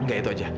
enggak itu aja